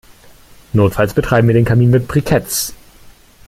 Notfalls betreiben wir den Kamin mit Briketts.